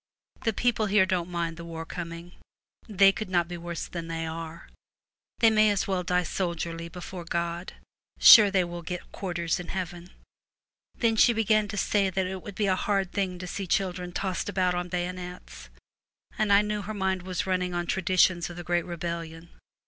The people here don't mind the war coming. They could not be worse than they are. They may as well die 183 The soldierly before God. Sure they will get Twilight, quarters in heaven.' Then she began to say that it would be a hard thing to see children tossed about on bayonets, and I knew her mind was running on tradi tions of the great rebellion.